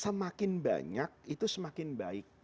semakin banyak itu semakin baik